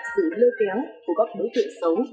sự lơ kéo của các đối tượng xấu